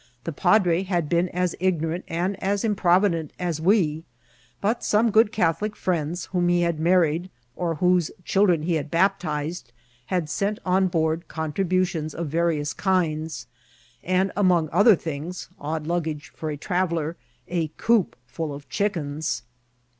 The padre had been as ig norant and as improvident as we ; but some good Cath olic friends, whom he had married or whose children he had baptized, had sent on board contributions of various kinds, and, among other things— odd luggage for a traveller— a coop full of chickens.